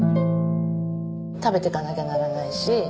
食べていかなきゃならないし。